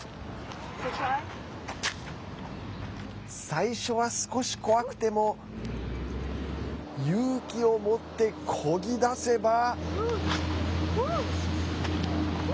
最初は少し怖くても勇気を持ってこぎ出せば。